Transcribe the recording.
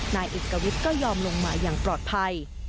นายเอกวิทย์ก็ยอมลงมาอย่างปลอดภัย